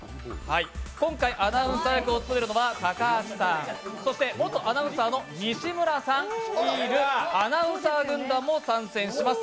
今回、アナウンサー役を務めるのは高橋さんそして元アナウンサーの西村さん率いるアナウンサー軍団も参戦します。